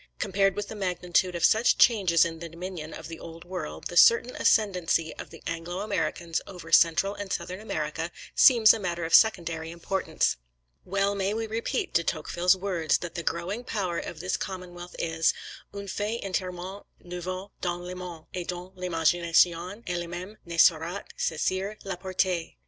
Compared with the magnitude of such changes in the dominion of the Old World, the certain ascendancy of the Anglo Americans over Central and Southern America, seems a matter of secondary importance. Well may we repeat De Tocqueville's words, that the growing power of this commonwealth is, "Un fait entierement nouveau dans le monde, et dont l'imagination ellememe ne saurait saisir la portee."